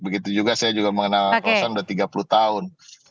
begitu juga saya juga mengenal rosan sudah tiga puluh tahun